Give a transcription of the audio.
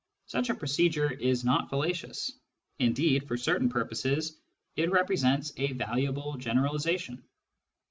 Such a procedure is not fallacious ; indeed for certain purposes it represents a valuable generalisation.